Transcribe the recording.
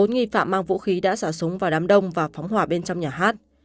bốn nghi phạm mang vũ khí đã xả súng vào đám đông và phóng hỏa bên trong nhà hát